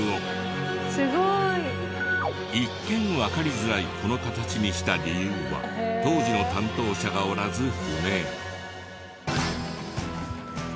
すごい！一見わかりづらいこの形にした理由は当時の担当者がおらず不明。